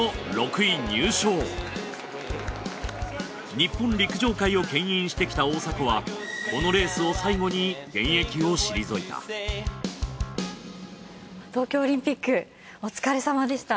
日本陸上界をけん引してきた大迫はこのレースを最後に現役を退いた東京オリンピックお疲れさまでした。